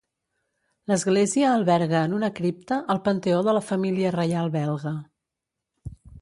L'església alberga en una cripta el panteó de la família reial belga.